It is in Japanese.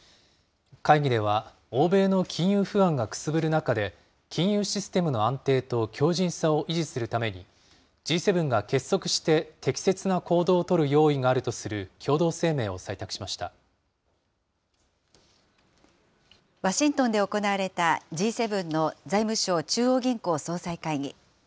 会議では、欧米の金融不安がくすぶる中で、金融システムの安定と強じんさを維持するために、Ｇ７が結束して適切な行動を取る用意があるとする共同声明を採択ワシントンで行われた、Ｇ７の財務相・中央銀行総裁会議。